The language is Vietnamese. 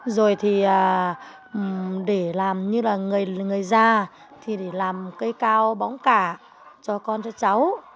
rồi thì để làm như là người già thì để làm cây cao bóng cả cho con cho cháu